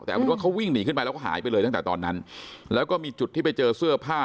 แต่เอาเป็นว่าเขาวิ่งหนีขึ้นไปแล้วก็หายไปเลยตั้งแต่ตอนนั้นแล้วก็มีจุดที่ไปเจอเสื้อผ้า